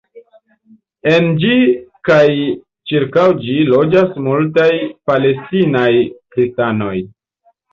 En ĝi kaj ĉirkaŭ ĝi loĝas multaj palestinaj kristanoj.